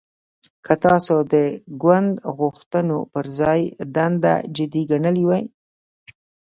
که تاسو د ګوند غوښتنو پر ځای دنده جدي ګڼلې وای